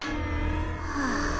はあ。